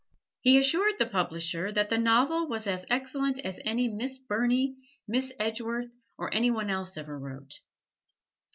He assured the publisher that the novel was as excellent as any Miss Burney, Miss Edgeworth, or any one else ever wrote.